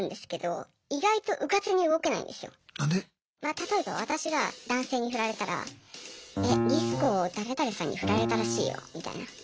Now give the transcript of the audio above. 例えば私が男性にフラれたら「えっリス子誰々さんにフラれたらしいよ」みたいな。